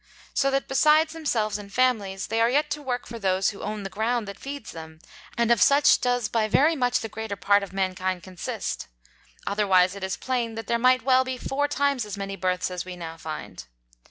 So that besides themselves and Families, they are yet to work for those who own the Ground that feeds them: And of such does by very much the greater part of Mankind consist; otherwise it is plain, that there might well be four times as many Births as we now find.